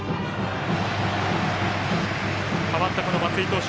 代わった松井投手